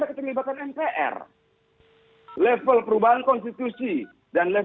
ya harus merubah konstitusi dong